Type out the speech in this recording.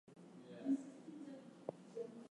Publisher and editor were the same as before.